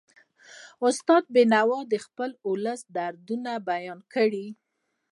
استاد بینوا د خپل ولس دردونه بیان کړل.